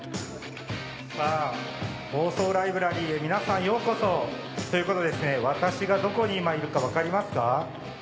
さぁ放送ライブラリーへ皆さんようこそ。ということで私がどこに今いるか分かりますか？